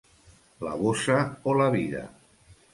La bossa o la vida!